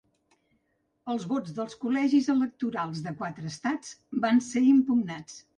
Els vots dels col·legis electorals de quatre estats van ser impugnats.